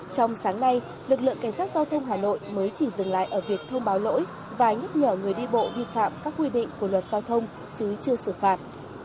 trong sáng nay lực lượng cảnh sát giao thông hà nội mới chỉ dừng lại ở việc thông báo lỗi và nhắc nhở người đi bộ vi phạm các quy định của luật giao thông chứ chưa xử phạt